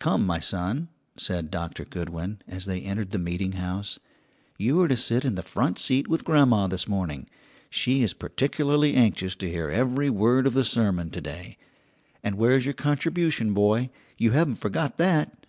"Come, my son," said Doctor Goodwin, as they entered the meeting house, "you are to sit in the front seat with grandma this morning: she is particularly anxious to hear every word of the sermon to day. And where's your contribution, boy? You haven't forgotten that?"